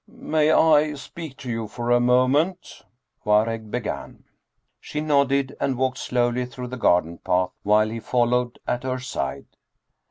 " May I speak to you for a moment ?" Waregg began. She nodded and walked slowly through the garden path, while he followed at her side.